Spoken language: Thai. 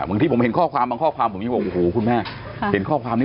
บางทีผมเห็นข้อความผมยังบอกโอ้โหคุณแม่เห็นข้อความนี้